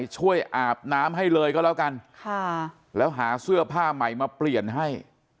อาบน้ำให้เลยก็แล้วกันแล้วหาเสื้อผ้าใหม่มาเปลี่ยนให้